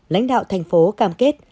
lãnh đạo tp hcm cam kết